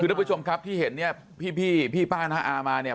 คือทุกผู้ชมครับที่เห็นเนี่ยพี่ป้าน้าอามาเนี่ย